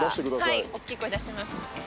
はいおっきい声出します。